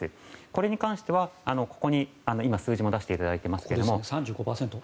これについてはここに今数字も出していただいてますが３５％。